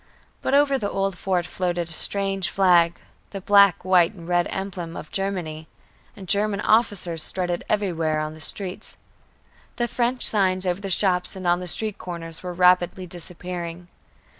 But over the old fort floated a strange flag the black, white and red emblem of Germany, and German officers strutted everywhere on the streets. The French signs over the shops and on the street corners were rapidly disappearing.